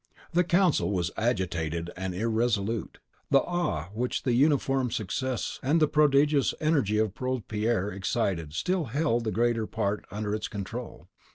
The council was agitated and irresolute. The awe which the uniform success and the prodigious energy of Robespierre excited still held the greater part under its control.